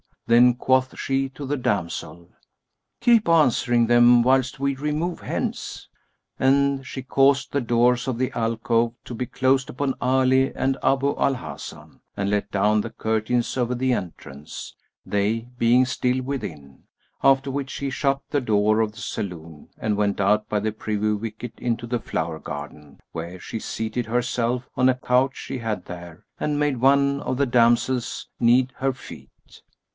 Then quoth she to the damsel, "Keep answering them whilst we remove hence." And she caused the doors of the alcove to be closed upon Ali and Abu al Hasan, and let down the curtains over the entrance (they being still within); after which she shut the door of the saloon and went out by the privy wicket into the flower garden, where she seated herself on a couch she had there and made one of the damsels knead her feet.